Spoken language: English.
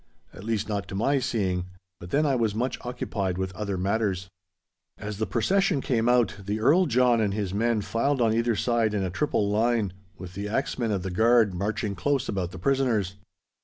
At least, not to my seeing, but then I was much occupied with other matters. As the procession came out, the Earl John and his men filed on either side in a triple line, with the axe men of the guard marching close about the prisoners.